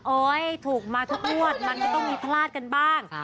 ถูกมาทุกงวดมันก็ต้องมีพลาดกันบ้าง